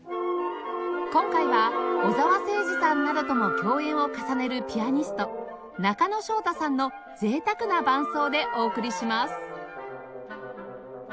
今回は小澤征爾さんなどとも共演を重ねるピアニスト中野翔太さんの贅沢な伴奏でお送りします